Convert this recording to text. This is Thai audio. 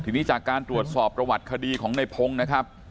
ทีนี้จากการตรวจสอบประวัติคดีของในพงศ์นะครับ